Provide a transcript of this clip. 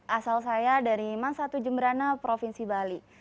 asal saya dari mansatu jemberana provinsi bali